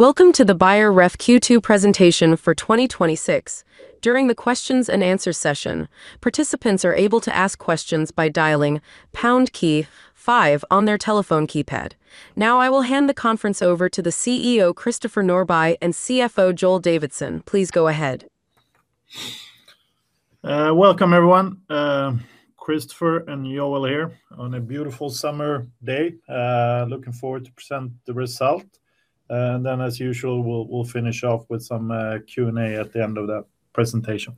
Welcome to the Beijer Ref Q2 presentation for 2026. During the questions and answers session, participants are able to ask questions by dialing pound key five on their telephone keypad. I will hand the conference over to the CEO, Christopher Norbye, and CFO, Joel Davidsson. Please go ahead. Welcome, everyone. Christopher and Joel here on a beautiful summer day. Looking forward to present the result. As usual, we'll finish off with some Q&A at the end of the presentation.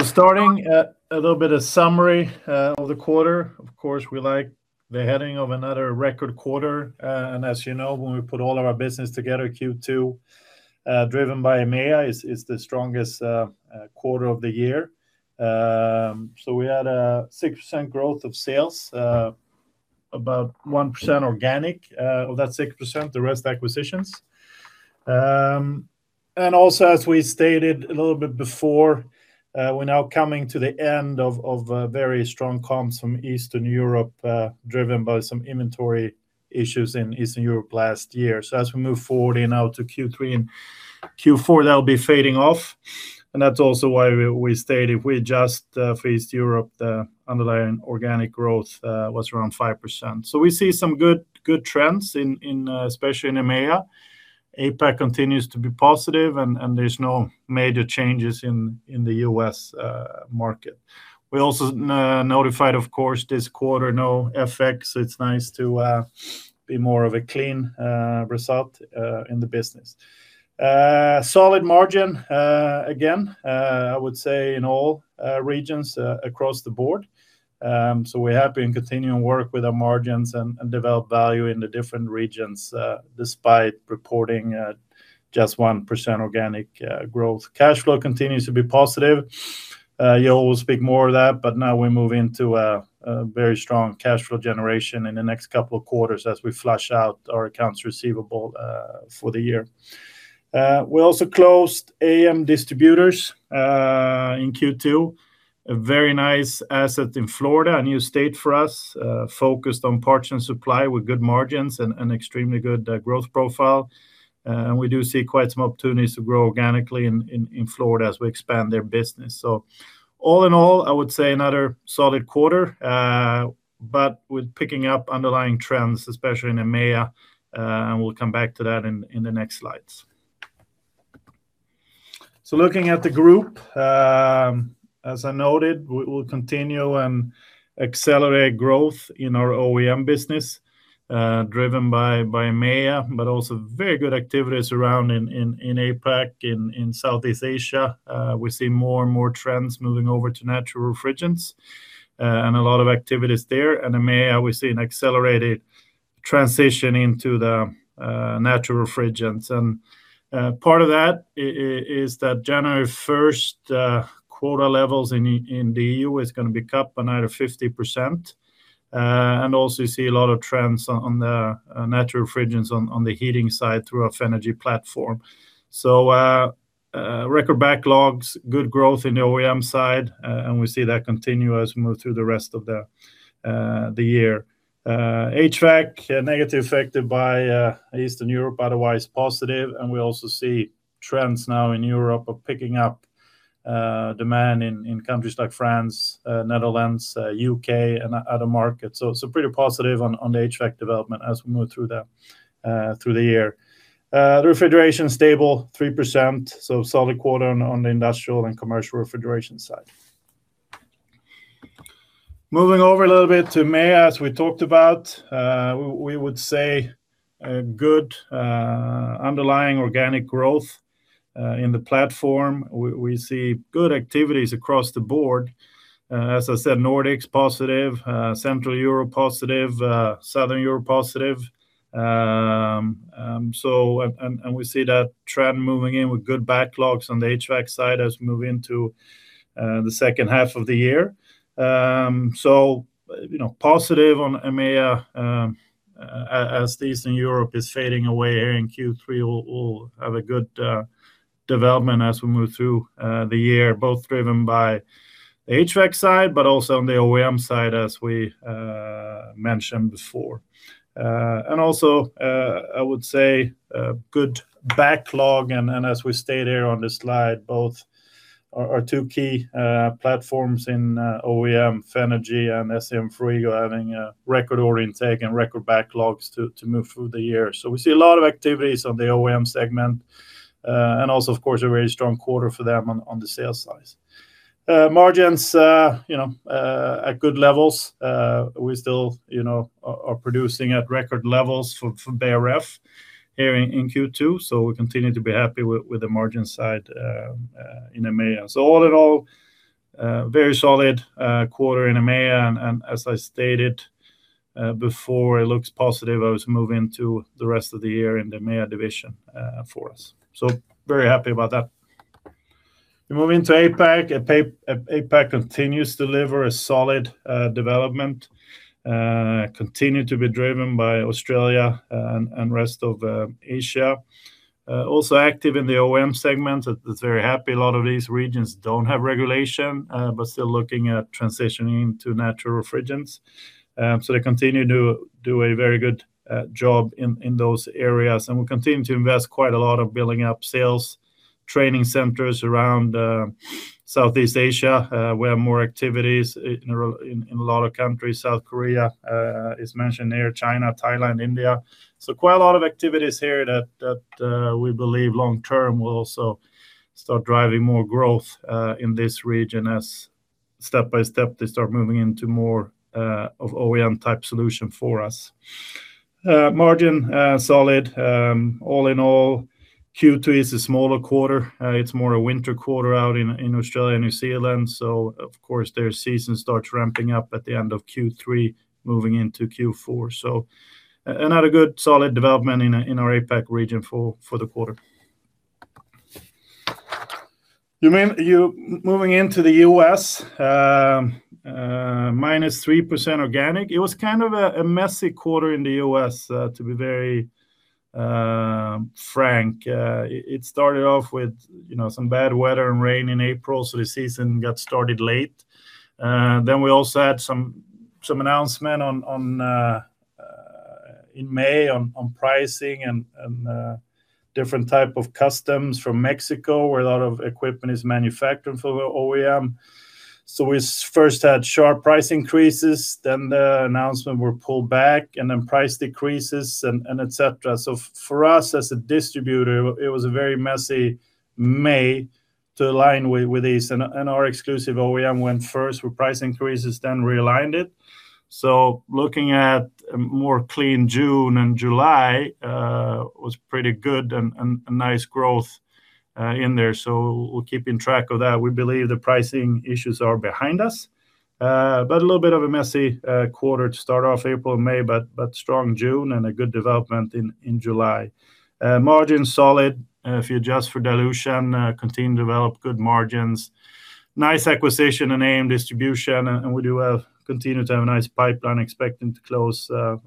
Starting, a little bit of summary of the quarter. Of course, we like the heading of another record quarter, as you know, when we put all of our business together, Q2, driven by EMEA, is the strongest quarter of the year. We had a 6% growth of sales, about 1% organic of that 6%, the rest acquisitions. Also, as we stated a little bit before, we're now coming to the end of very strong comps from Eastern Europe, driven by some inventory issues in Eastern Europe last year. As we move forward and out to Q3 and Q4, that'll be fading off. That's also why we stated if we adjust for Eastern Europe, the underlying organic growth was around 5%. We see some good trends, especially in EMEA. APAC continues to be positive, there's no major changes in the U.S. market. We also notified, of course, this quarter, no FX, it's nice to be more of a clean result in the business. Solid margin again, I would say in all regions across the board. We have been continuing work with our margins and develop value in the different regions, despite reporting just 1% organic growth. Cash flow continues to be positive. Joel will speak more of that, now we move into a very strong cash flow generation in the next couple of quarters as we flush out our accounts receivable for the year. We also closed AM Distributors in Q2. A very nice asset in Florida, a new state for us, focused on parts and supply with good margins and extremely good growth profile. We do see quite some opportunities to grow organically in Florida as we expand their business. All in all, I would say another solid quarter, with picking up underlying trends, especially in EMEA, we'll come back to that in the next slides. Looking at the group, as I noted, we will continue and accelerate growth in our OEM business, driven by EMEA, also very good activities around in APAC, in Southeast Asia. We see more and more trends moving over to natural refrigerants and a lot of activities there. In EMEA, we see an accelerated transition into the natural refrigerants. Part of that is that January 1st, quota levels in the EU is going to be cap another 50%. You see a lot of trends on the natural refrigerants on the heating side through our Fenagy platform. Record backlogs, good growth in the OEM side, we see that continue as we move through the rest of the year. HVAC, negative affected by Eastern Europe, otherwise positive. We also see trends now in Europe are picking up demand in countries like France, Netherlands, U.K., and other markets. Pretty positive on the HVAC development as we move through the year. The refrigeration stable, 3%, so solid quarter on the industrial and commercial refrigeration side. Moving over a little bit to EMEA, as we talked about, we would say a good underlying organic growth in the platform. We see good activities across the board. As I said, Nordics positive, Central Europe positive, Southern Europe positive. We see that trend moving in with good backlogs on the HVAC side as we move into the second half of the year. Positive on EMEA, as Eastern Europe is fading away here in Q3. We'll have a good development as we move through the year, both driven by the HVAC side but also on the OEM side, as we mentioned before. I would say a good backlog and as we state here on this slide, both our two key platforms in OEM, Fenagy and SCM Frigo, having record order intake and record backlogs to move through the year. We see a lot of activities on the OEM segment. Of course, a very strong quarter for them on the sales side. Margins at good levels. We still are producing at record levels for Beijer Ref here in Q2, we continue to be happy with the margin side in EMEA. All in all, very solid quarter in EMEA, and as I stated before, it looks positive as we move into the rest of the year in the EMEA division for us. Very happy about that. We move into APAC. APAC continues to deliver a solid development, continue to be driven by Australia and rest of Asia. Also active in the OEM segment. It's very happy a lot of these regions don't have regulation, but still looking at transitioning to natural refrigerants. They continue to do a very good job in those areas, and we continue to invest quite a lot of building up sales training centers around Southeast Asia, where more activities in a lot of countries, South Korea is mentioned here, China, Thailand, India. Quite a lot of activities here that we believe long term will also start driving more growth, in this region as step by step they start moving into more of OEM type solution for us. Margin, solid. All in all, Q2 is a smaller quarter. It's more a winter quarter out in Australia, New Zealand. Of course, their season starts ramping up at the end of Q3, moving into Q4. Another good solid development in our APAC region for the quarter. Moving into the U.S., -3% organic. It was a messy quarter in the U.S., to be very frank. It started off with some bad weather and rain in April, the season got started late. We also had some announcement in May on pricing and different type of customs from Mexico, where a lot of equipment is manufactured for OEM. We first had sharp price increases, then the announcement were pulled back, and then price decreases and et cetera. For us as a distributor, it was a very messy May to align with these, and our exclusive OEM went first with price increases, then realigned it. Looking at a more clean June and July, was pretty good and a nice growth in there. We're keeping track of that. We believe the pricing issues are behind us. A little bit of a messy quarter to start off April and May, but strong June and a good development in July. Margin solid, if you adjust for dilution, continue to develop good margins. Nice acquisition in AM Distributors, we do continue to have a nice pipeline expecting to close a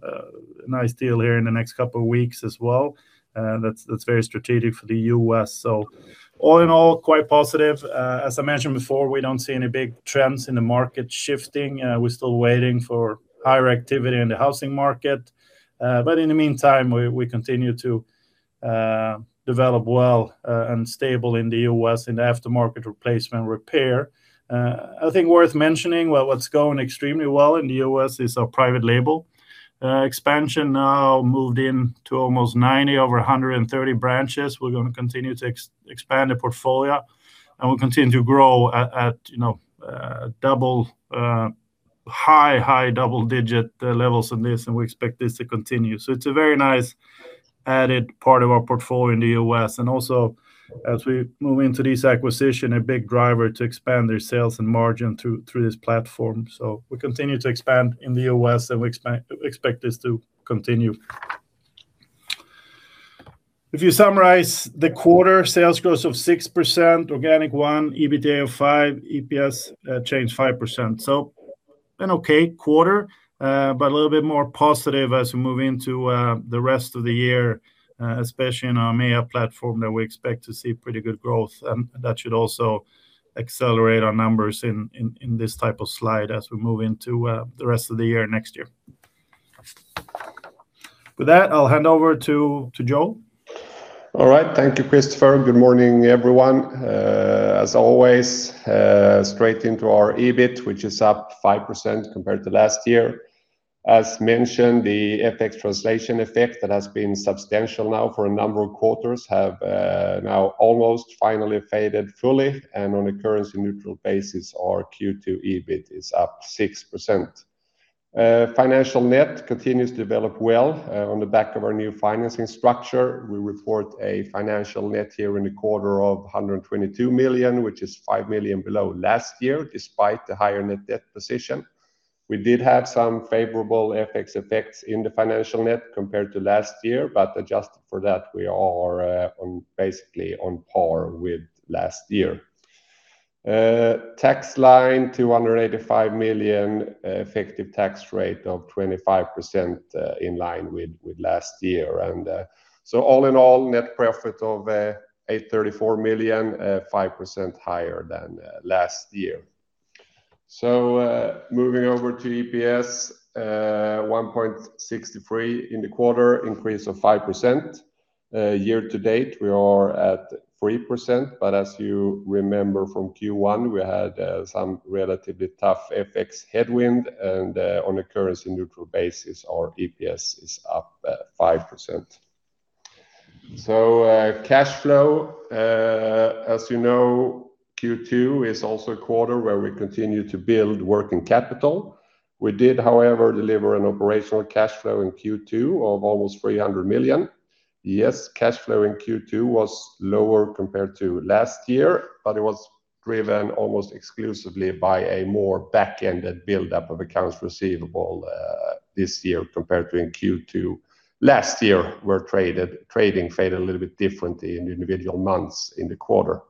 nice deal here in the next couple of weeks as well. That's very strategic for the U.S. All in all, quite positive. As I mentioned before, we don't see any big trends in the market shifting. We're still waiting for higher activity in the housing market. In the meantime, we continue to develop well and stable in the U.S. in aftermarket replacement repair. I think worth mentioning what's going extremely well in the U.S. is our private label expansion now moved in to almost 90 over 130 branches. We're going to continue to expand the portfolio, we'll continue to grow at high double-digit levels on this, we expect this to continue. It's a very nice added part of our portfolio in the U.S., also as we move into this acquisition, a big driver to expand their sales and margin through this platform. We continue to expand in the U.S., we expect this to continue. If you summarize the quarter, sales growth of 6%, organic 1%, EBITDA of 5%, EPS change 5%. An okay quarter, a little bit more positive as we move into the rest of the year, especially in our EMEA platform that we expect to see pretty good growth. That should also accelerate our numbers in this type of slide as we move into the rest of the year next year. With that, I'll hand over to Joel. All right. Thank you, Christopher. Good morning, everyone. As always, straight into our EBIT, which is up 5% compared to last year. As mentioned, the FX translation effect that has been substantial now for a number of quarters have now almost finally faded fully. On a currency-neutral basis, our Q2 EBIT is up 6%. Financial net continues to develop well on the back of our new financing structure. We report a financial net here in the quarter of 122 million, which is 5 million below last year, despite the higher net debt position. We did have some favorable FX effects in the financial net compared to last year, adjusted for that, we are basically on par with last year. Tax line, 285 million, effective tax rate of 25%, in line with last year. All in all, net profit of 834 million, 5% higher than last year. Moving over to EPS, 1.63 in the quarter, increase of 5%. Year to date, we are at 3%. As you remember from Q1, we had some relatively tough FX headwind and, on a currency neutral basis, our EPS is up 5%. Cash flow, as you know, Q2 is also a quarter where we continue to build working capital. We did, however, deliver an operational cash flow in Q2 of almost 300 million. Cash flow in Q2 was lower compared to last year, but it was driven almost exclusively by a more back-ended buildup of accounts receivable this year compared to in Q2 last year, where trading faded a little bit differently in individual months in the quarter.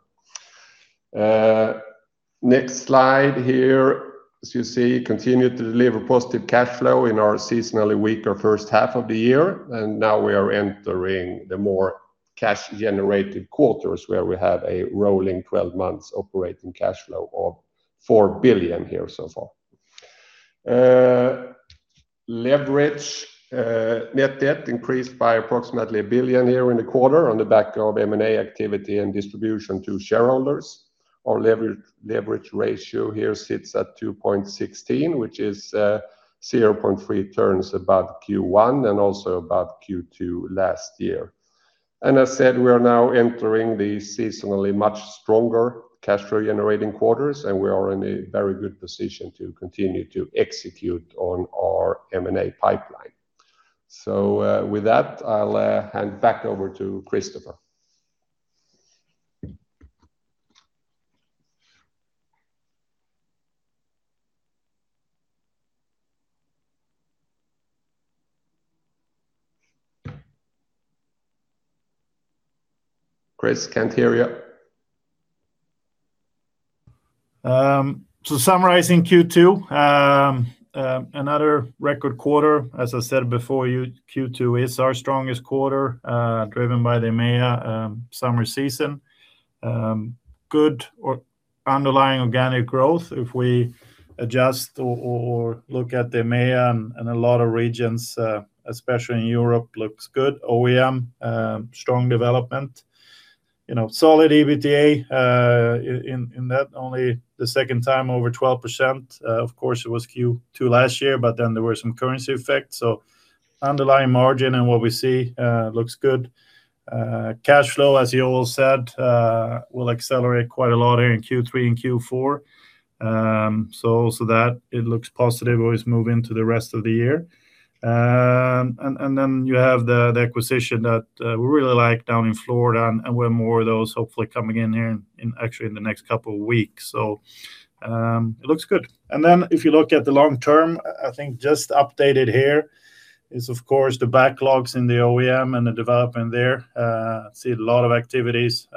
Next slide here, as you see, continued to deliver positive cash flow in our seasonally weaker first half of the year. Now we are entering the more cash-generated quarters where we have a rolling 12 months operating cash flow of 4 billion here so far. Leverage. Net debt increased by approximately 1 billion here in the quarter on the back of M&A activity and distribution to shareholders. Our leverage ratio here sits at 2.16x, which is 0.3x turns above Q1 and also above Q2 last year. As said, we are now entering the seasonally much stronger cash flow-generating quarters, and we are in a very good position to continue to execute on our M&A pipeline. With that, I'll hand back over to Christopher. Chris, can't hear you. Summarizing Q2, another record quarter. As I said before, Q2 is our strongest quarter, driven by the EMEA summer season. Good underlying organic growth if we adjust or look at EMEA and a lot of regions, especially in Europe, looks good. OEM, strong development. Solid EBITDA in that only the second time over 12%. Of course, it was Q2 last year. Then there were some currency effects. Underlying margin and what we see looks good. Cash flow, as Joel said, will accelerate quite a lot here in Q3 and Q4. Also that it looks positive as we move into the rest of the year. You have the acquisition that we really like down in Florida, and we have more of those hopefully coming in here actually in the next couple of weeks. It looks good. If you look at the long term, I think just updated here is, of course, the backlogs in the OEM and the development there. I see a lot of activities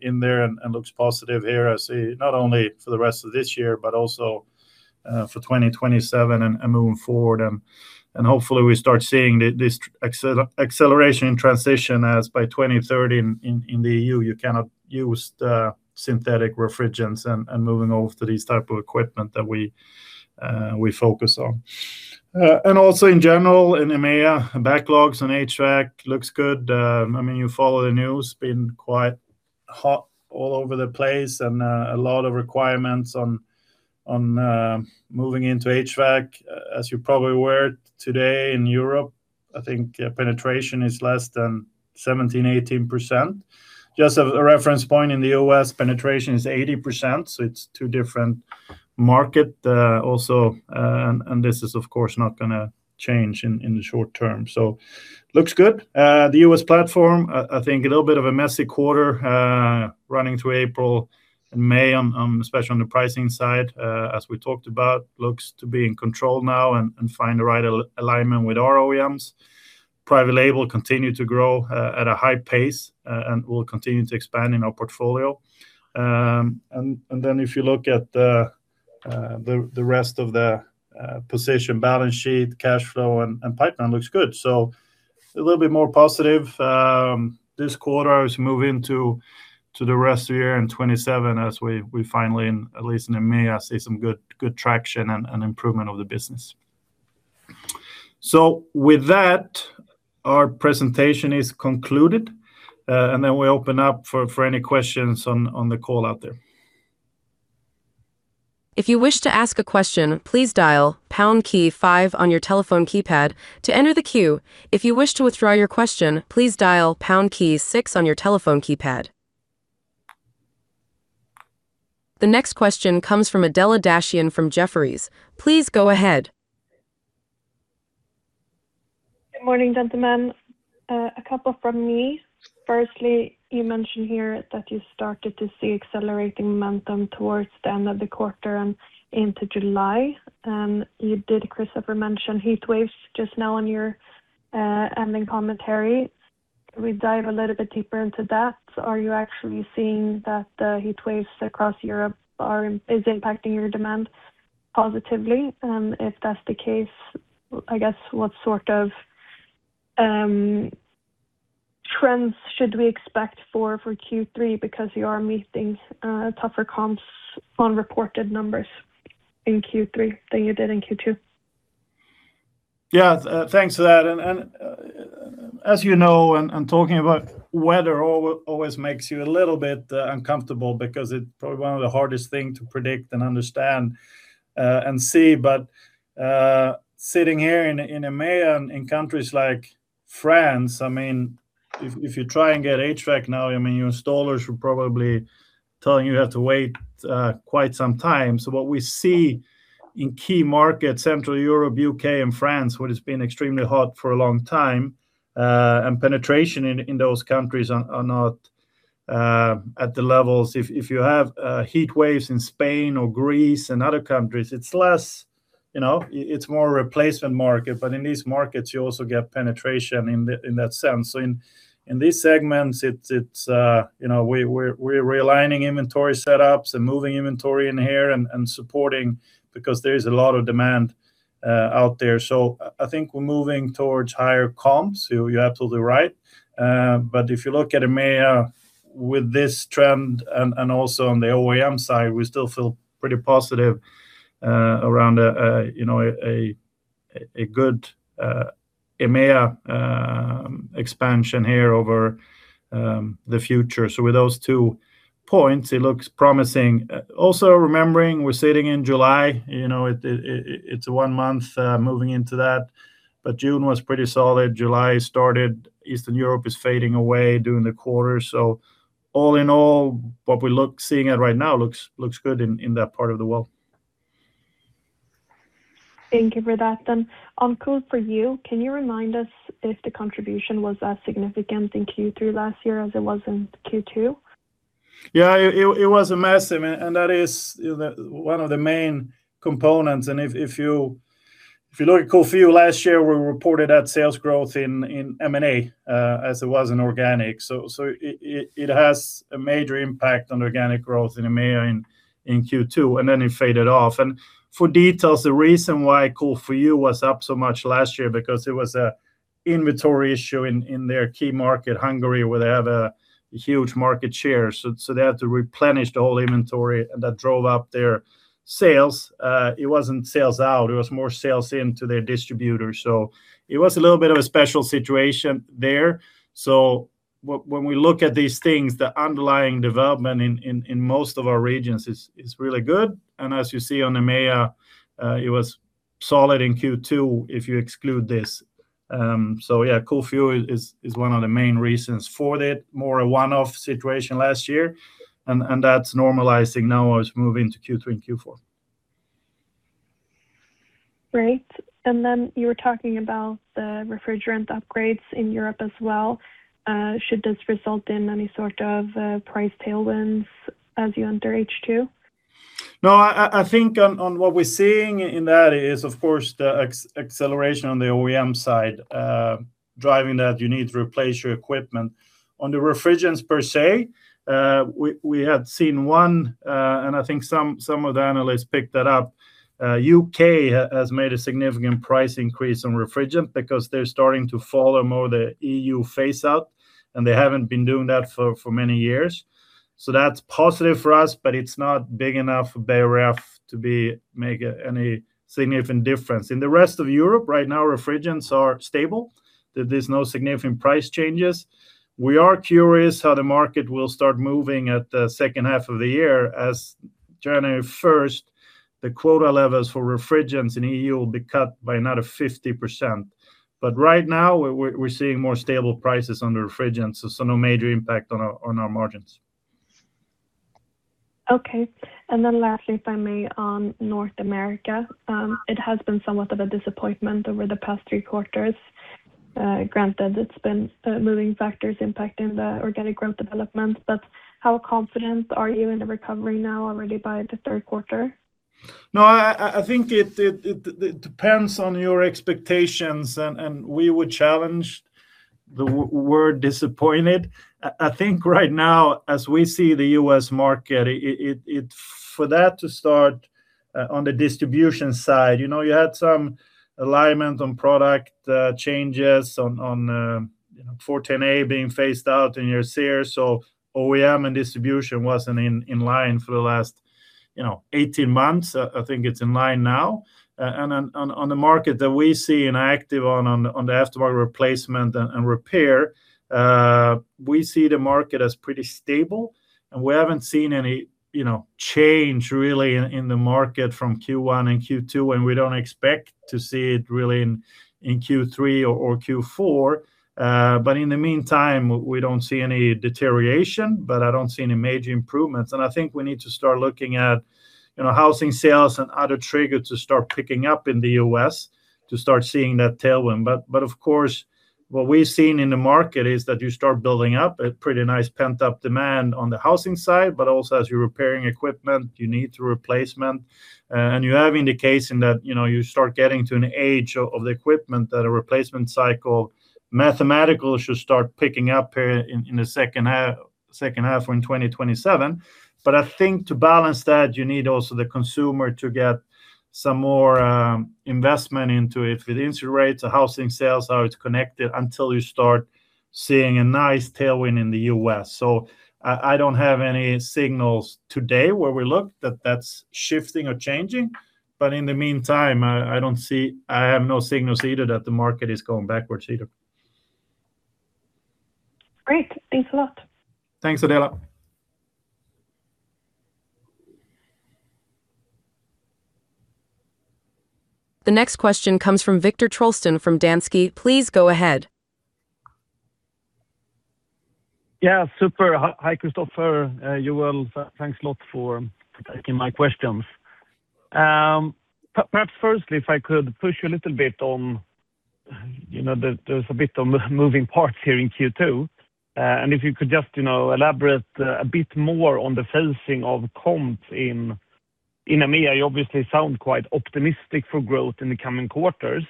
in there and looks positive here. I see not only for the rest of this year but also for 2027 and moving forward. Hopefully we start seeing this acceleration in transition as by 2030 in the EU, you cannot use the synthetic refrigerants and moving over to these type of equipment that we focus on. Also in general in EMEA, backlogs and HVAC looks good. You follow the news, it's been quite hot all over the place and a lot of requirements on moving into HVAC. As you're probably aware today in Europe, I think penetration is less than 17%-18%. Just as a reference point in the U.S., penetration is 80%. It's two different market also. This is, of course, not going to change in the short term. Looks good. The U.S. platform, I think a little bit of a messy quarter, running through April and May, especially on the pricing side, as we talked about, looks to be in control now and find the right alignment with our OEMs. Private label continue to grow at a high pace, and we'll continue to expand in our portfolio. If you look at the rest of the position, balance sheet, cash flow, and pipeline looks good. A little bit more positive this quarter as we move into the rest of the year in 2027, as we finally, at least in EMEA, see some good traction and improvement of the business. With that, our presentation is concluded, we open up for any questions on the call out there. If you wish to ask a question, please dial pound key five on your telephone keypad to enter the queue. If you wish to withdraw your question, please dial pound key six on your telephone keypad. The next question comes from Adela Dashian from Jefferies. Please go ahead. Good morning, gentlemen. A couple from me. Firstly, you mentioned here that you started to see accelerating momentum towards the end of the quarter and into July. You did, Christopher, mention heatwaves just now in your ending commentary. Can we dive a little bit deeper into that? Are you actually seeing that the heatwaves across Europe is impacting your demand positively? If that's the case, I guess what sort of trends should we expect for Q3? Because you are meeting tougher comps on reported numbers in Q3 than you did in Q2. Thanks for that. As you know, talking about weather always makes you a little bit uncomfortable because it's probably one of the hardest thing to predict and understand and see. Sitting here in EMEA and in countries like France, if you try and get HVAC now, your installers will probably tell you have to wait quite some time. What we see in key markets, Central Europe, U.K., and France, where it's been extremely hot for a long time, penetration in those countries are not at the levels. If you have heat waves in Spain or Greece and other countries, it's more replacement market. In these markets, you also get penetration in that sense. In these segments, we're realigning inventory setups and moving inventory in here and supporting because there is a lot of demand out there. I think we're moving towards higher comps. You're absolutely right. If you look at EMEA with this trend and also on the OEM side, we still feel pretty positive around a good EMEA expansion here over the future. With those two points, it looks promising. Also remembering we're sitting in July, it's one month moving into that, but June was pretty solid. July started. Eastern Europe is fading away during the quarter. All in all, what we're seeing right now looks good in that part of the world. Thank you for that. On Cool4U, can you remind us if the contribution was as significant in Q3 last year as it was in Q2? It was massive, and that is one of the main components. If you look at Cool4U last year, we reported that sales growth in M&A, as it was in organic. It has a major impact on organic growth in EMEA in Q2, and then it faded off. For details, the reason why Cool4U was up so much last year because it was an inventory issue in their key market, Hungary, where they have a huge market share. They had to replenish the whole inventory, and that drove up their sales. It wasn't sales out. It was more sales into their distributors. It was a little bit of a special situation there. When we look at these things, the underlying development in most of our regions is really good. As you see on EMEA, it was solid in Q2 if you exclude this. Cool4U is one of the main reasons for that, more a one-off situation last year, and that's normalizing now as we move into Q3 and Q4. Great. Then you were talking about the refrigerant upgrades in Europe as well. Should this result in any sort of price tailwinds as you enter H2? No, I think on what we're seeing in that is, of course, the acceleration on the OEM side, driving that you need to replace your equipment. On the refrigerants per se, we had seen one, and I think some of the analysts picked that up. U.K. has made a significant price increase on refrigerant because they're starting to follow more the EU phase-out, and they haven't been doing that for many years. That's positive for us, but it's not big enough for Beijer Ref to make any significant difference. In the rest of Europe right now, refrigerants are stable. There's no significant price changes. We are curious how the market will start moving at the second half of the year as January 1st, the quota levels for refrigerants in EU will be cut by another 50%. Right now, we're seeing more stable prices on the refrigerants, so no major impact on our margins. Okay. Then lastly, if I may, on North America, it has been somewhat of a disappointment over the past three quarters. Granted, it's been moving factors impacting the organic growth development, but how confident are you in the recovery now already by the third quarter? No, I think it depends on your expectations, and we would challenge the word disappointed. I think right now, as we see the U.S. market, for that to start on the distribution side, you had some alignment on product changes, R410A being phased out in your SEER. OEM and distribution wasn't in line for the last 18 months. I think it's in line now. On the market that we see and are active on the aftermarket replacement and repair, we see the market as pretty stable, and we haven't seen any change really in the market from Q1 and Q2, and we don't expect to see it really in Q3 or Q4. In the meantime, we don't see any deterioration, but I don't see any major improvements. I think we need to start looking at housing sales and other triggers to start picking up in the U.S. to start seeing that tailwind. Of course, what we're seeing in the market is that you start building up a pretty nice pent-up demand on the housing side, but also as you're repairing equipment, you need a replacement. You have indication that you start getting to an age of the equipment that a replacement cycle mathematical should start picking up here in the second half in 2027. I think to balance that, you need also the consumer to get some more investment into it with interest rates or housing sales, how it's connected until you start seeing a nice tailwind in the U.S. I don't have any signals today where we look that that's shifting or changing. In the meantime, I have no signals either that the market is going backwards either. Great. Thanks a lot. Thanks, Adela. The next question comes from Viktor Trollsten from Danske. Please go ahead. Yeah, super. Hi, Christopher, Joel. Thanks a lot for taking my questions. Perhaps firstly, if I could push a little bit on. There's a bit of moving parts here in Q2. If you could just elaborate a bit more on the phasing of comps in EMEA. You obviously sound quite optimistic for growth in the coming quarters.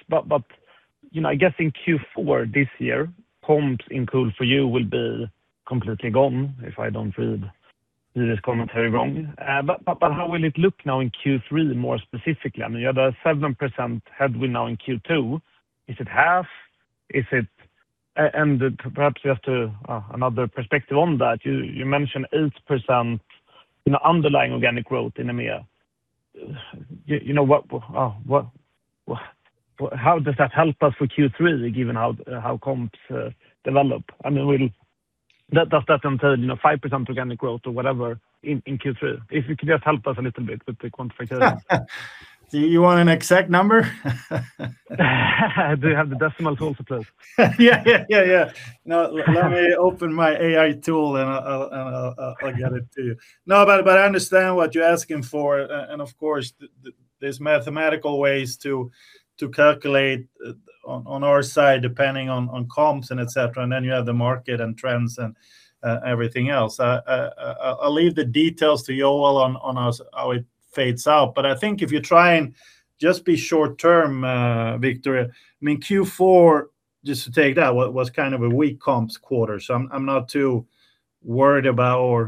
I guess in Q4 this year, comps in Cool4U will be completely gone, if I don't read this commentary wrong. How will it look now in Q3, more specifically? You had a 7% headwind now in Q2. Is it half? Perhaps you have another perspective on that. You mentioned 8% underlying organic growth in EMEA. How does that help us for Q3, given how comps develop? Does that turn 5% organic growth or whatever in Q3? If you could just help us a little bit with the quantification. Do you want an exact number? Do you have the decimal tools to play with? Yeah. Let me open my AI tool and I'll get it to you. I understand what you're asking for, and of course, there's mathematical ways to calculate on our side, depending on comps and et cetera, and then you have the market and trends and everything else. I'll leave the details to Joel on how it fades out. I think if you try and just be short term, Viktor, Q4, just to take that, was kind of a weak comps quarter. I'm not too worried about or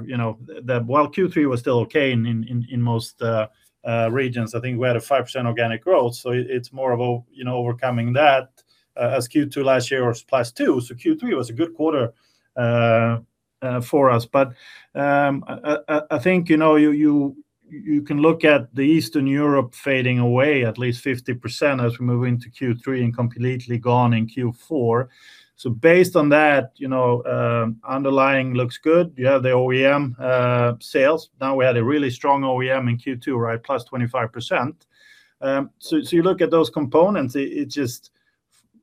while Q3 was still okay in most regions, I think we had a 5% organic growth, so it's more of overcoming that as Q2 last year was plus two, so Q3 was a good quarter for us. I think you can look at the Eastern Europe fading away at least 50% as we move into Q3 and completely gone in Q4. Based on that, underlying looks good. You have the OEM sales. We had a really strong OEM in Q2, right? +25%. You look at those components, it just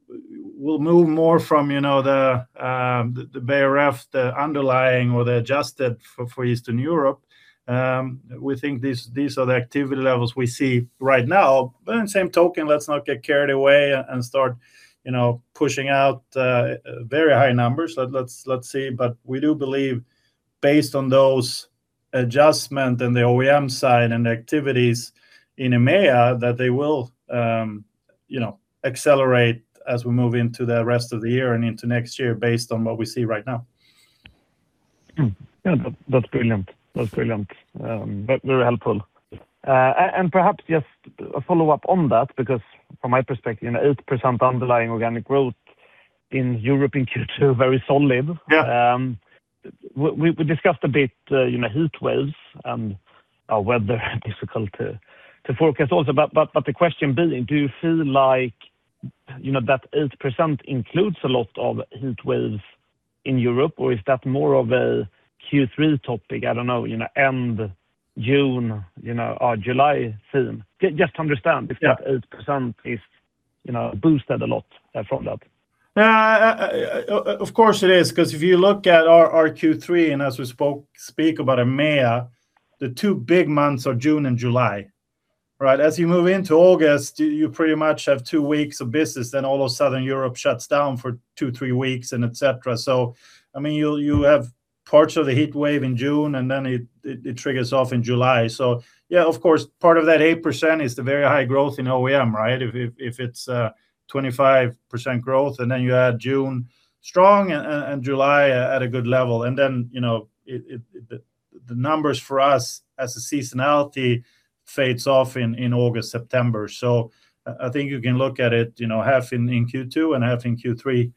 will move more from the Beijer Ref, the underlying or the adjusted for Eastern Europe. We think these are the activity levels we see right now. In the same token, let's not get carried away and start pushing out very high numbers. Let's see. We do believe based on those adjustment in the OEM side and the activities in EMEA, that they will accelerate as we move into the rest of the year and into next year based on what we see right now. Yeah. That's brilliant. Very helpful. Perhaps just a follow-up on that, because from my perspective, 8% underlying organic growth in European Q2, very solid. Yeah. We discussed a bit heatwaves and our weather, difficult to forecast also. The question being, do you feel like that 8% includes a lot of heatwaves in Europe or is that more of a Q3 topic? I don't know, end June or July theme. Just to understand if that 8% is boosted a lot from that. Of course it is, because if you look at our Q3, as we speak about EMEA, the two big months are June and July. Right? As you move into August, you pretty much have two weeks of business, then all of Southern Europe shuts down for two, three weeks and et cetera. You have parts of the heatwave in June, then it triggers off in July. Yeah, of course, part of that 8% is the very high growth in OEM, right? If it's a 25% growth then you add June strong and July at a good level. The numbers for us as a seasonality fades off in August, September. I think you can look at it, half in Q2 and half in Q3,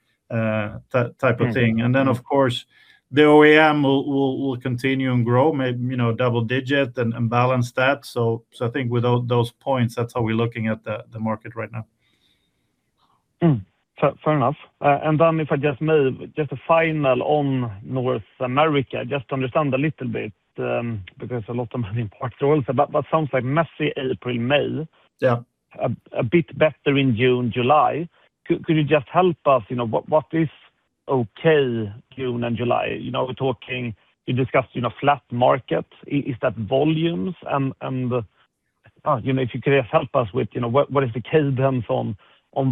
type of thing. Then, of course, the OEM will continue and grow, maybe double digit and balance that. I think with those points, that's how we're looking at the market right now. Fair enough. If I just move, just a final on North America, just to understand a little bit, because a lot of moving parts there also. That sounds like messy April, May. Yeah. A bit better in June, July. Could you just help us, what is okay June and July? We discussed flat markets. Is that volumes? If you could just help us with what is the cadence on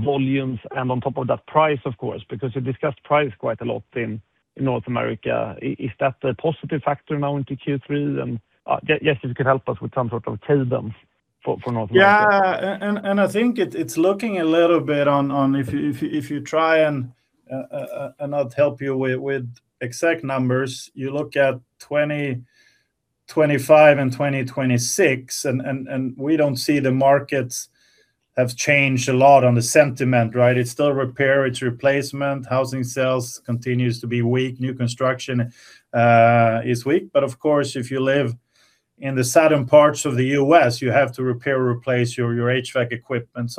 volumes and on top of that price, of course, because we discussed price quite a lot in North America. Is that a positive factor now into Q3 then? If you could help us with some sort of cadence for North America. I think it's looking a little bit on if you try I'll help you with exact numbers. You look at 2025 and 2026, we don't see the markets have changed a lot on the sentiment, right? It's still repair, it's replacement, housing sales continues to be weak, new construction is weak. Of course, if you live in the southern parts of the U.S., you have to repair or replace your HVAC equipment.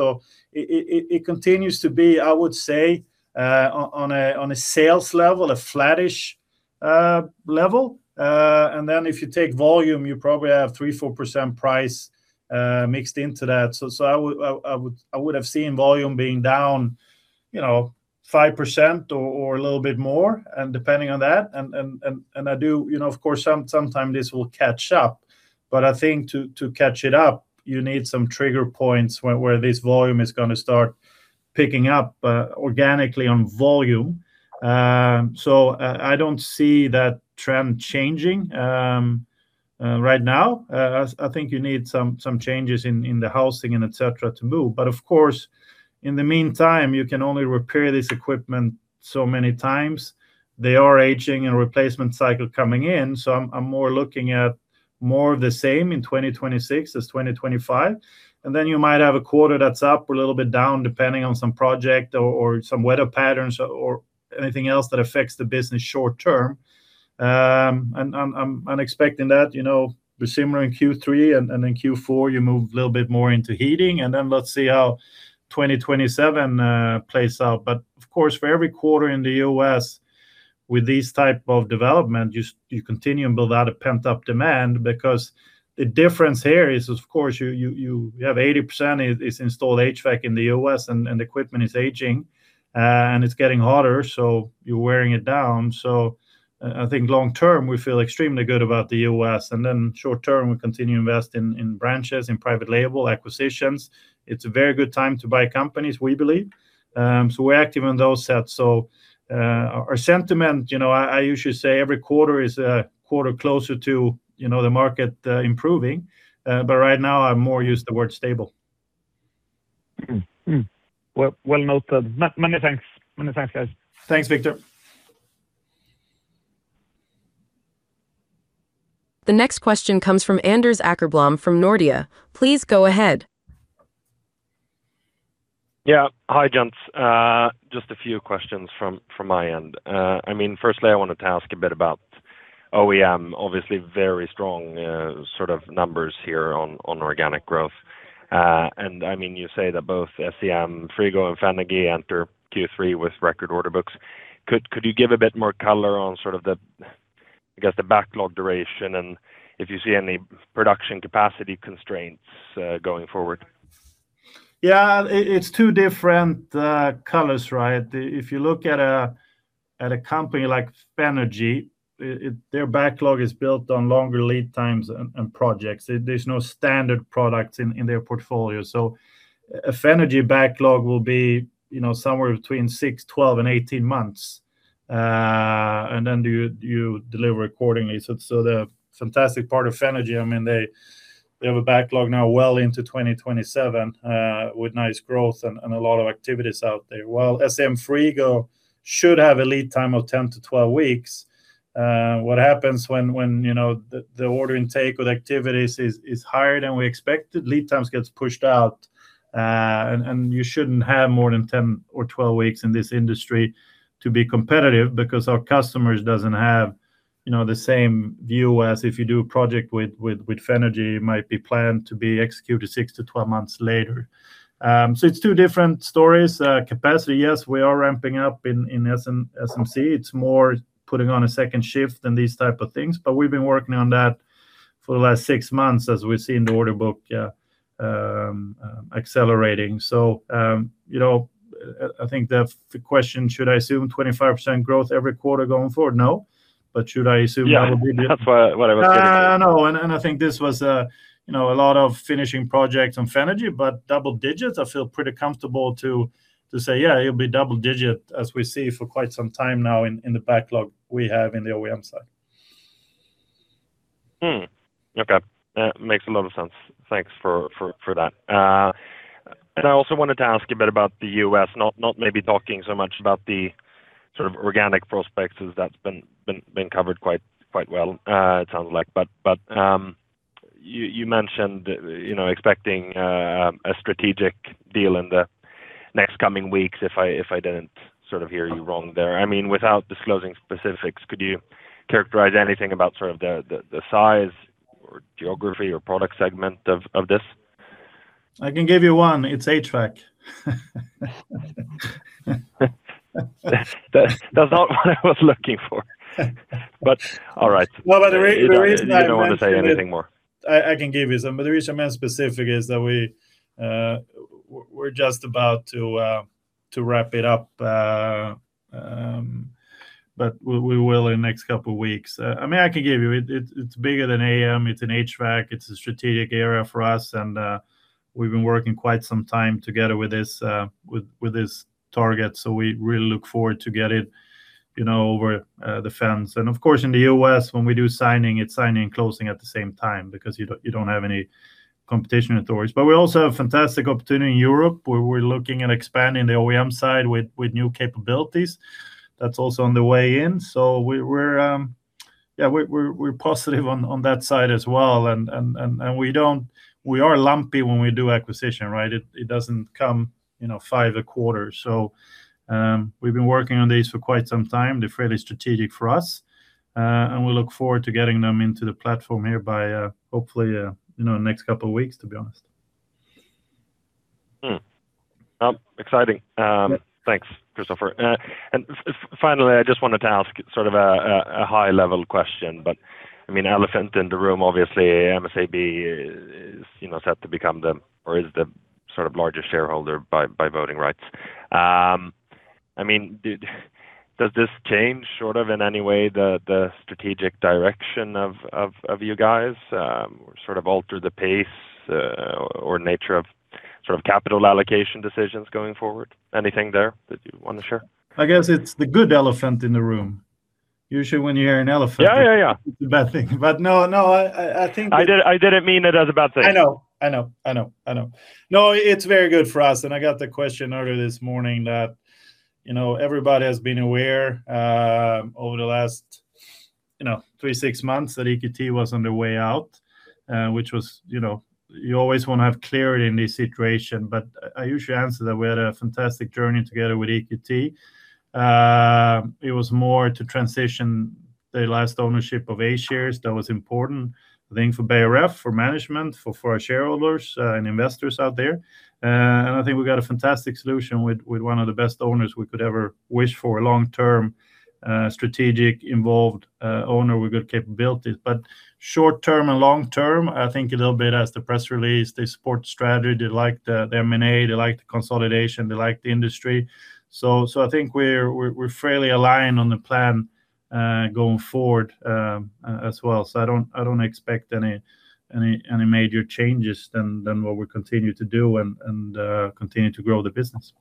It continues to be, I would say, on a sales level, a flattish level. Then if you take volume, you probably have 3%, 4% price mixed into that. I would have seen volume being down 5% or a little bit more, depending on that. Of course, sometimes this will catch up, but I think to catch it up, you need some trigger points where this volume is going to start picking up organically on volume. I don't see that trend changing right now. I think you need some changes in the housing and et cetera to move. Of course, in the meantime, you can only repair this equipment so many times. They are aging and replacement cycle coming in, so I'm more looking at more of the same in 2026 as 2025. Then you might have a quarter that's up or a little bit down, depending on some project or some weather patterns or anything else that affects the business short term. I'm expecting that with summer in Q3 and then Q4, you move a little bit more into heating, then let's see how 2027 plays out. Of course, for every quarter in the U.S. with these type of development, you continue and build out a pent-up demand because the difference here is, of course, you have 80% is installed HVAC in the U.S. and equipment is aging, and it's getting hotter, so you're wearing it down. I think long term, we feel extremely good about the U.S., and then short term, we continue to invest in branches, in private label acquisitions. It's a very good time to buy companies, we believe. We're active on those sets. Our sentiment, I usually say every quarter is a quarter closer to the market improving. Right now, I more use the word stable. Well noted. Many thanks, guys. Thanks, Viktor. The next question comes from Anders Åkerblom from Nordea. Please go ahead. Yeah. Hi, gents. Just a few questions from my end. Firstly, I wanted to ask a bit about OEM, obviously very strong sort of numbers here on organic growth. And you say that both SCM Frigo and Fenagy enter Q3 with record order books. Could you give a bit more color on sort of the, I guess, the backlog duration and if you see any production capacity constraints going forward? Yeah, it's two different colors, right? If you look at a company like Fenagy, their backlog is built on longer lead times and projects. There's no standard product in their portfolio. So a Fenagy backlog will be somewhere between six, 12, and 18 months. And then you deliver accordingly. So the fantastic part of Fenagy, they have a backlog now well into 2027, with nice growth and a lot of activities out there. While SCM Frigo should have a lead time of 10-12 weeks, what happens when the order intake with activities is higher than we expected, lead times gets pushed out, and you shouldn't have more than 10 or 12 weeks in this industry to be competitive because our customers doesn't have the same view as if you do a project with Fenagy, it might be planned to be executed 6-12 months later. It's two different stories. Capacity, yes, we are ramping up in SCM. It's more putting on a second shift and these type of things, but we've been working on that for the last six months as we see in the order book accelerating. I think the question, should I assume 25% growth every quarter going forward? No. But should I assume that would be the- Yeah, that's what I was getting at. No, I think this was a lot of finishing projects on Fenagy, but double digits, I feel pretty comfortable to say, yeah, it'll be double digit as we see for quite some time now in the backlog we have in the OEM side. Okay. Makes a lot of sense. Thanks for that. I also wanted to ask a bit about the U.S., not maybe talking so much about the sort of organic prospects, as that's been covered quite well it sounds like. You mentioned expecting a strategic deal in the next coming weeks, if I didn't sort of hear you wrong there. Without disclosing specifics, could you characterize anything about sort of the size or geography or product segment of this? I can give you one. It's HVAC. That's not what I was looking for, but all right. Well, but there is that. You don't want to say anything more. I can give you some. There is some unspecific is that we're just about to wrap it up, but we will in next couple weeks. I can give you, it's bigger than AM, it's in HVAC, it's a strategic area for us, and we've been working quite some time together with this target. We really look forward to get it over the fence. Of course, in the U.S., when we do signing, it's signing and closing at the same time because you don't have any competition authorities. We also have fantastic opportunity in Europe, where we're looking at expanding the OEM side with new capabilities. That's also on the way in. We're positive on that side as well, and we are lumpy when we do acquisition, right? It doesn't come five a quarter. We've been working on these for quite some time. They're fairly strategic for us, we look forward to getting them into the platform here by hopefully next couple of weeks, to be honest. Exciting. Thanks, Christopher. Finally, I just wanted to ask sort of a high-level question, elephant in the room, obviously MSAB is set to become the, or is the largest shareholder by voting rights. Does this change in any way the strategic direction of you guys, or alter the pace or nature of capital allocation decisions going forward? Anything there that you want to share? I guess it's the good elephant in the room. Usually when you hear an elephant- Yeah. It's a bad thing. No, I think. I didn't mean it as a bad thing. I know. No, it's very good for us. I got the question earlier this morning that everybody has been aware over the last three to six months that EQT was on the way out, which was, you always want to have clarity in this situation. I usually answer that we had a fantastic journey together with EQT. It was more to transition the last ownership of A shares that was important, I think, for Beijer Ref, for management, for our shareholders and investors out there. I think we've got a fantastic solution with one of the best owners we could ever wish for long term, strategic involved owner with good capabilities. Short term and long term, I think a little bit as the press release, they support strategy. They like the M&A, they like the consolidation, they like the industry. I think we're fairly aligned on the plan going forward as well. I don't expect any major changes than what we continue to do and continue to grow the business.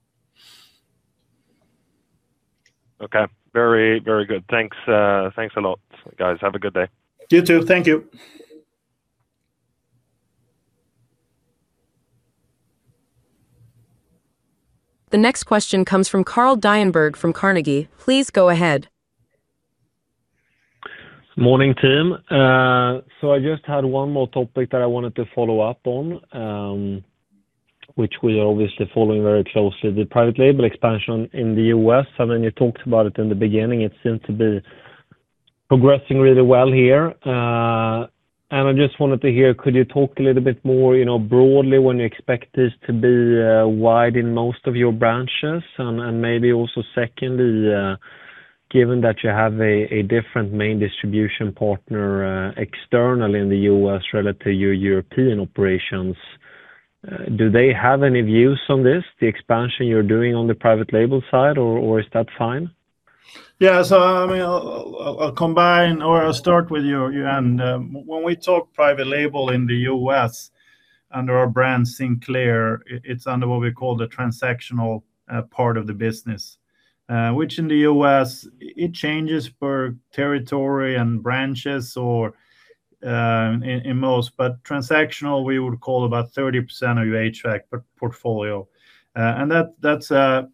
Okay. Very good. Thanks a lot, guys. Have a good day. You too. Thank you. The next question comes from Carl Deijenberg from Carnegie. Please go ahead. Morning, team. I just had one more topic that I wanted to follow up on, which we are obviously following very closely, the private label expansion in the U.S. I mean, you talked about it in the beginning. It seems to be progressing really well here. I just wanted to hear, could you talk a little bit more broadly when you expect this to be wide in most of your branches? Maybe also secondly, given that you have a different main distribution partner external in the U.S. relative to your European operations, do they have any views on this, the expansion you're doing on the private label side, or is that fine? Yeah. I'll combine or I'll start with you, when we talk private label in the U.S. under our brand Sinclair, it's under what we call the transactional part of the business, which in the U.S., it changes per territory and branches in most. But transactional, we would call about 30% of your HVAC portfolio. That's a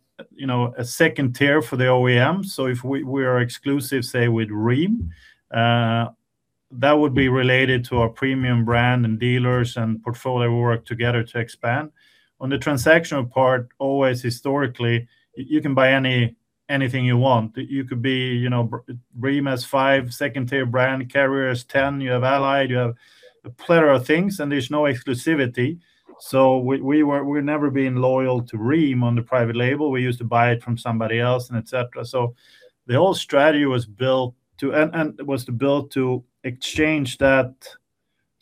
second tier for the OEM. If we are exclusive, say, with Rheem, that would be related to our premium brand and dealers and portfolio work together to expand. On the transactional part, always historically, you can buy anything you want. You could be Rheem has five second-tier brand carriers, 10 you have Allied, you have a plethora of things and there's no exclusivity. We're never being loyal to Rheem on the private label. We used to buy it from somebody else, et cetera. The whole strategy was built to exchange that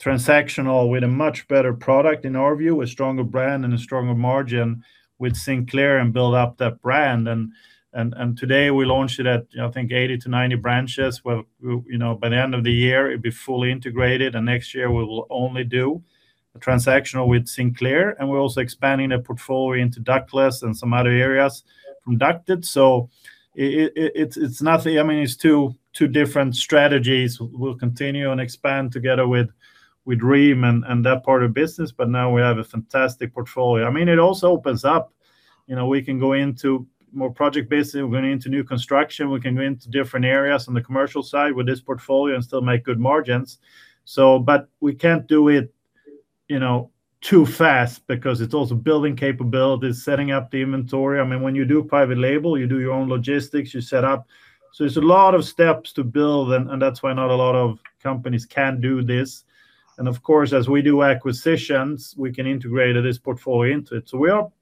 transactional with a much better product in our view, a stronger brand and a stronger margin with Sinclair and build up that brand. Today we launched it at, I think, 80-90 branches, where by the end of the year it'll be fully integrated, and next year we will only do transactional with Sinclair. We're also expanding the portfolio into ductless and some other areas from ducted. It's two different strategies we'll continue and expand together with Rheem and that part of business. Now we have a fantastic portfolio. It also opens up, we can go into more project basis. We can go into new construction, we can go into different areas on the commercial side with this portfolio and still make good margins. We can't do it too fast because it's also building capabilities, setting up the inventory. When you do private label, you do your own logistics, you set up. It's a lot of steps to build, and that's why not a lot of companies can do this. Of course, as we do acquisitions, we can integrate this portfolio into it.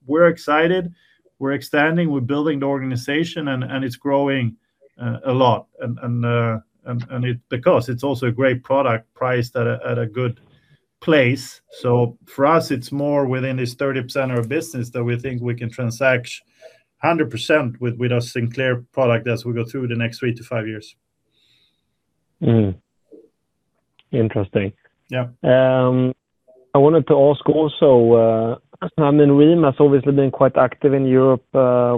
We're excited. We're extending, we're building the organization, and it's growing a lot. Because it's also a great product priced at a good place. For us, it's more within this 30% of business that we think we can transact 100% with our Sinclair product as we go through the next three to five years. Interesting. Yeah. I wanted to ask also, I mean, Rheem has obviously been quite active in Europe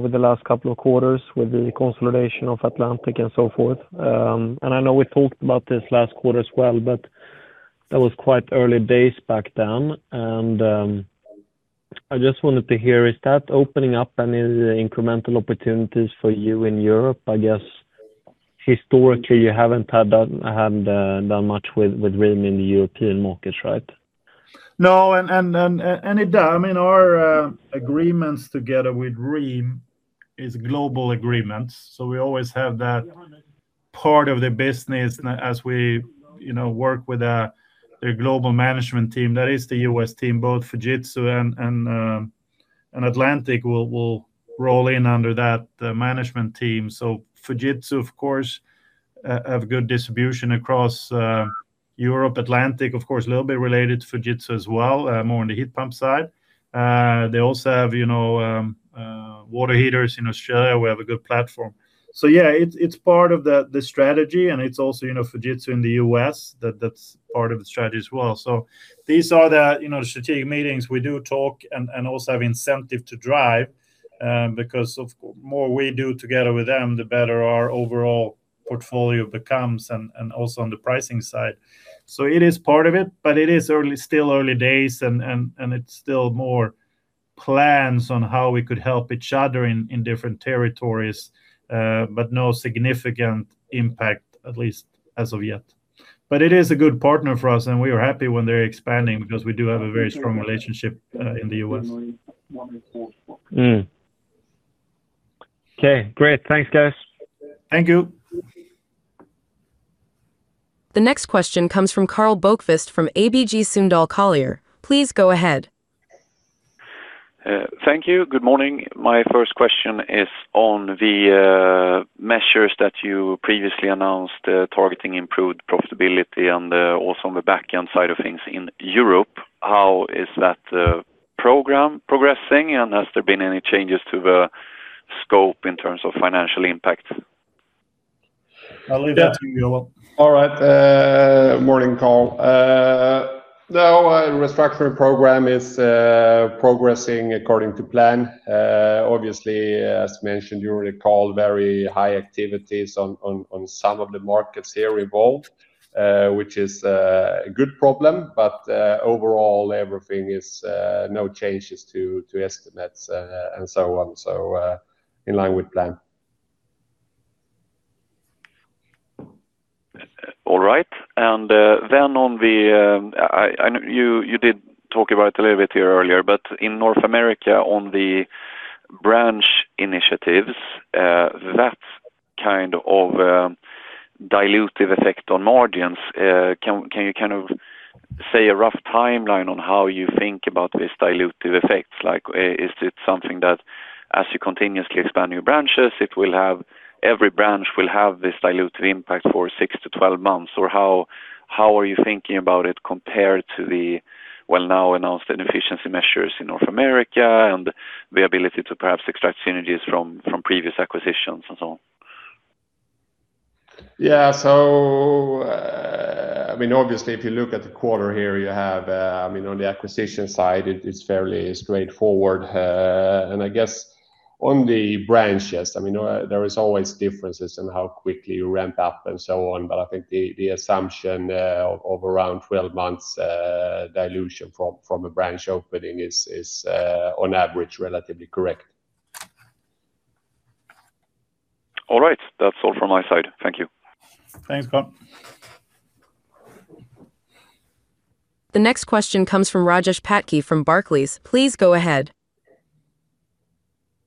with the last couple of quarters with the consolidation of Atlantic and so forth. I know we talked about this last quarter as well, but that was quite early days back then, and I just wanted to hear, is that opening up any incremental opportunities for you in Europe? I guess historically you haven't done much with Rheem in the European markets, right? No, it does. Our agreements together with Rheem is global agreements. We always have that part of the business as we work with their global management team. That is the U.S. team, both Fujitsu and Atlantic will roll in under that management team. Fujitsu, of course, have good distribution across Europe. Atlantic, of course, a little bit related to Fujitsu as well, more on the heat pump side. They also have water heaters in Australia. We have a good platform. Yeah, it's part of the strategy, and it's also Fujitsu in the U.S. that's part of the strategy as well. These are the strategic meetings we do talk and also have incentive to drive, because the more we do together with them, the better our overall portfolio becomes and also on the pricing side. It is part of it, but it is still early days and it's still more plans on how we could help each other in different territories, but no significant impact, at least as of yet. It is a good partner for us, and we are happy when they're expanding because we do have a very strong relationship in the U.S.. Okay, great. Thanks, guys. Thank you. The next question comes from Karl Bokvist from ABG Sundal Collier. Please go ahead. Thank you. Good morning. My first question is on the measures that you previously announced, targeting improved profitability and also on the back end side of things in Europe. How is that program progressing, and has there been any changes to the scope in terms of financial impact? I'll leave that to you, Joel. All right. Morning, Karl. The whole restructuring program is progressing according to plan. Obviously, as mentioned, you recall very high activities on some of the markets here involved, which is a good problem. Overall, everything is no changes to estimates, and so on. In line with plan. All right. Then you did talk about it a little bit here earlier, in North America on the branch initiatives, that kind of dilutive effect on margins, can you say a rough timeline on how you think about this dilutive effect? Is it something that as you continuously expand new branches, every branch will have this dilutive impact for 6-12 months? How are you thinking about it compared to the well now announced inefficiency measures in North America and the ability to perhaps extract synergies from previous acquisitions and so on? Yeah. Obviously, if you look at the quarter here, on the acquisition side, it's fairly straightforward. I guess on the branches, there is always differences in how quickly you ramp up and so on. I think the assumption of around 12 months dilution from a branch opening is, on average, relatively correct. All right. That's all from my side. Thank you. Thanks, Karl. The next question comes from Rajesh Patki from Barclays. Please go ahead.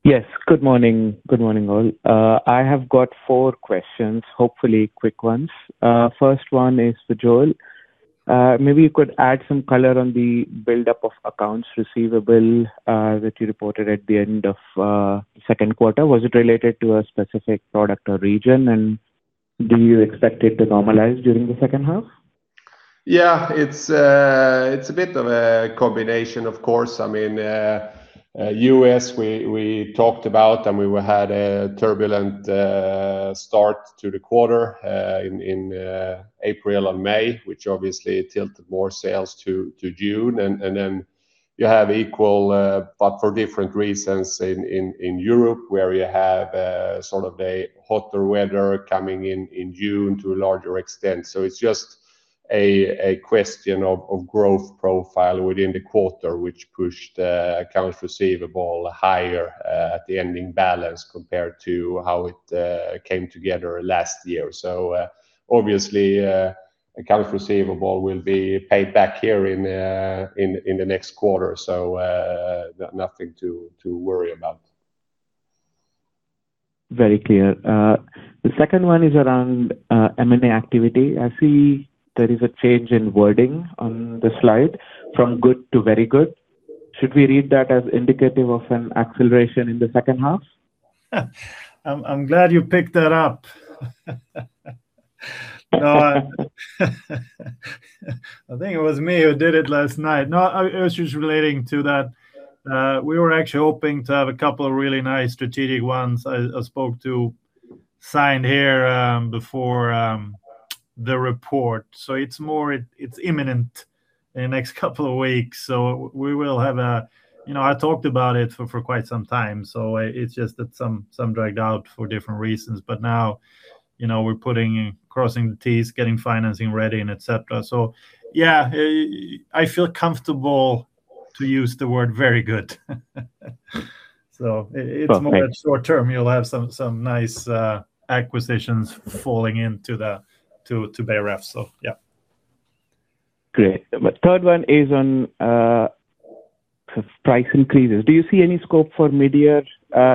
Yes, good morning all. I have got four questions, hopefully quick ones. First one is for Joel. Maybe you could add some color on the buildup of accounts receivable that you reported at the end of the second quarter. Was it related to a specific product or region, and do you expect it to normalize during the second half? Yeah. It's a bit of a combination, of course. U.S., we talked about and we had a turbulent start to the quarter in April and May, which obviously tilted more sales to June. Then you have equal, but for different reasons, in Europe, where you have sort of the hotter weather coming in in June to a larger extent. It's just a question of growth profile within the quarter, which pushed accounts receivable higher at the ending balance compared to how it came together last year. Obviously, accounts receivable will be paid back here in the next quarter, so nothing to worry about. Very clear. The second one is around M&A activity. I see there is a change in wording on the slide from good to very good. Should we read that as indicative of an acceleration in the second half? I'm glad you picked that up. I think it was me who did it last night. No, it was just relating to that we were actually hoping to have a couple of really nice strategic ones I spoke to sign here before the report. It's imminent in the next couple of weeks. I talked about it for quite some time. It's just that some dragged out for different reasons. Now, we're crossing the T's, getting financing ready, and et cetera. Yeah, I feel comfortable to use the word "very good." It's more short term. You'll have some nice acquisitions falling into Beijer Ref. Yeah. Great. The third one is on price increases. Do you see any scope for mid-year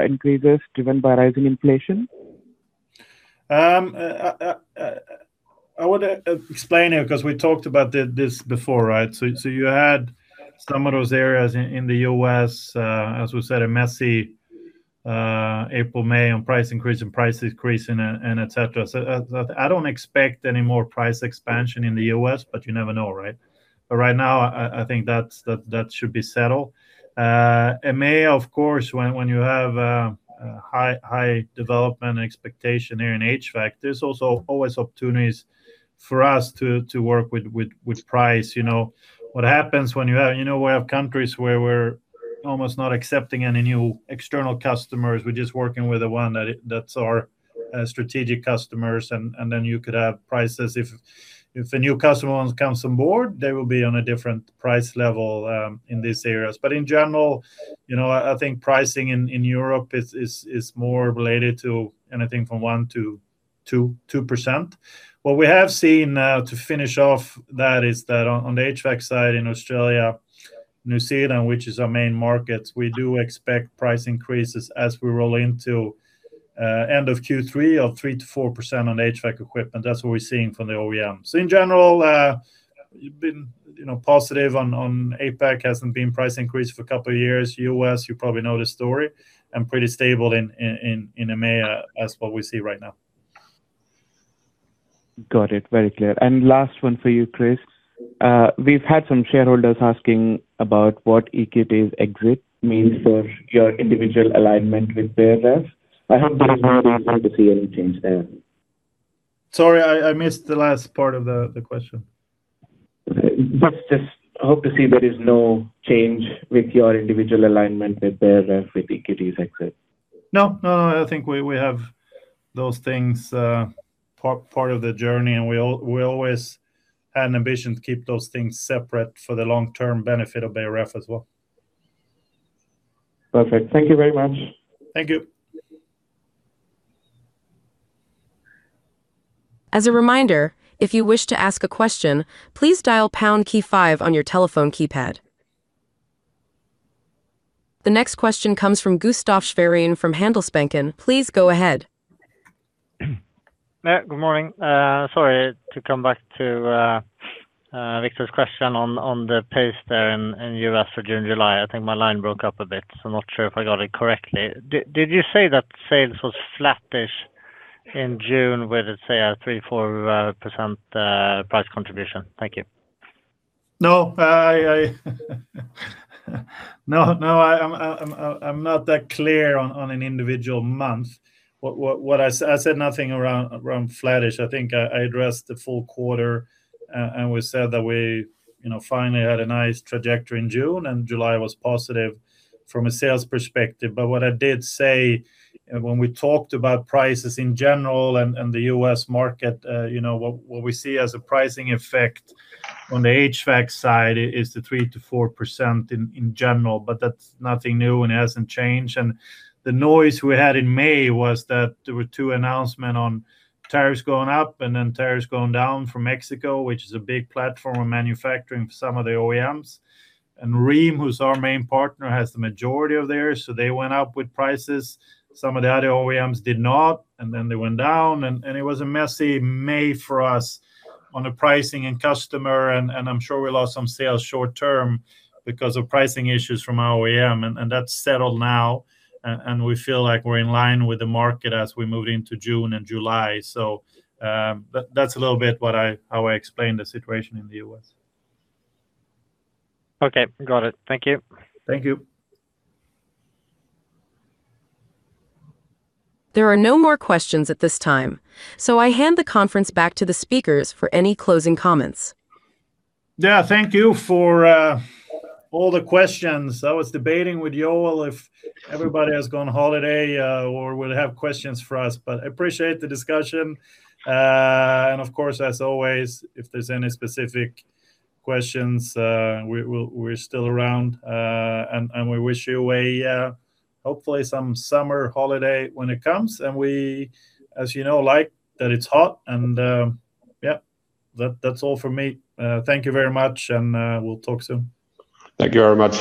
increases driven by rising inflation? I want to explain it because we talked about this before, right? You had some of those areas in the U.S., as we said, a messy April, May on price increase and price decrease and et cetera. I don't expect any more price expansion in the U.S., but you never know, right? Right now, I think that should be settled. In May, of course, when you have a high development expectation here in HVAC, there's also always opportunities for us to work with price. We have countries where we're almost not accepting any new external customers. We're just working with the one that's our strategic customers, and then you could have prices if a new customer comes on board, they will be on a different price level in these areas. In general, I think pricing in Europe is more related to anything from 1%-2%. What we have seen now to finish off that is that on the HVAC side in Australia, New Zealand, which is our main market, we do expect price increases as we roll into end of Q3 of 3%-4% on HVAC equipment. That's what we're seeing from the OEM. In general, you've been positive on APAC, hasn't been price increase for a couple of years. U.S., you probably know the story, and pretty stable in EMEA as what we see right now. Got it. Very clear. Last one for you, Chris. We've had some shareholders asking about what EQT's exit means for your individual alignment with Beijer Ref. I hope there is no reason to see any change there. Sorry, I missed the last part of the question. Just hope to see there is no change with your individual alignment with Beijer Ref with EQT's exit. No, I think we have those things part of the journey, and we always had an ambition to keep those things separate for the long-term benefit of Beijer Ref as well. Perfect. Thank you very much. Thank you. As a reminder, if you wish to ask a question, please dial pound key five on your telephone keypad. The next question comes from Gustaf Schwerin from Handelsbanken. Please go ahead. Yeah, good morning. Sorry to come back to Viktor's question on the pace there in U.S. for June, July. I think my line broke up a bit, so I am not sure if I got it correctly. Did you say that sales was flattish in June with, let us say, a 3%-4% price contribution? Thank you. No, I am not that clear on an individual month. I said nothing around flattish. I think I addressed the full quarter. We said that we finally had a nice trajectory in June. July was positive from a sales perspective. What I did say when we talked about prices in general and the U.S. market, what we see as a pricing effect on the HVAC side is the 3%-4% in general. That is nothing new. It has not changed. The noise we had in May was that there were two announcement on tariffs going up and then tariffs going down for Mexico, which is a big platform of manufacturing for some of the OEMs. Rheem, who is our main partner, has the majority of theirs. They went up with prices. Some of the other OEMs did not, they went down, it was a messy May for us on the pricing and customer, I'm sure we lost some sales short term because of pricing issues from our OEM. That's settled now, we feel like we're in line with the market as we moved into June and July. That's a little bit how I explain the situation in the U.S.. Okay, got it. Thank you. Thank you. There are no more questions at this time, I hand the conference back to the speakers for any closing comments. Thank you for all the questions. I was debating with Joel if everybody has gone holiday or will have questions for us, but I appreciate the discussion. Of course, as always, if there's any specific questions, we're still around. We wish you hopefully some summer holiday when it comes, and we, as you know, like that it's hot. That's all from me. Thank you very much, and we'll talk soon. Thank you very much.